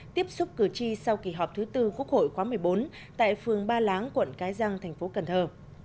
tiếp xúc cử tri sau kỳ họp thứ tư quốc hội khóa một mươi bốn tại phường ba láng quận cái răng thành phố cần thơ